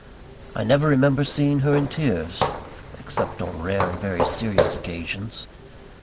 I never remember seeing her in tears, except on rare and very serious occasions.